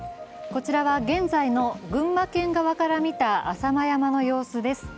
こちらは現在の群馬県側から見た浅間山の様子です。